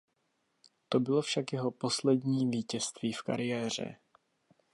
To bylo však jeho poslední vítězství v kariéře.